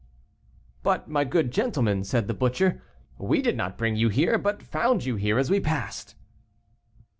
"But, my good gentleman," said the butcher, "we did not bring you here, but found you here as we passed."